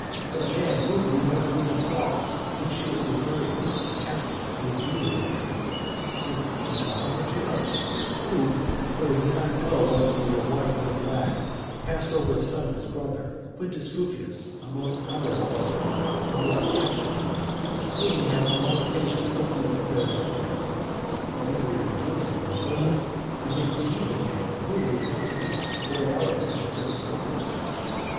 But a man whom you never even saw, Lucius Rubrius, of Casinum, made you his heir. And see now how much he loved you, who, though he did not know whether you were white or black, passed over the son of his brother, Quintus Fufius, a most honourable Roman knight, and most attached to him, whom he had on all occasions openly declared his heir, (he never even names him in his will,) and he makes you his heir whom he had never seen, or at all events had never spoken to.